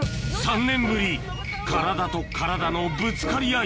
３年ぶり体と体のぶつかり合い